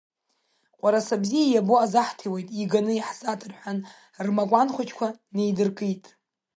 Ҟәараса бзиа иабо азаҳҭиуеит, иганы иаҳзаҭа рҳәан, рмакәан хәыҷқәа неидыркит.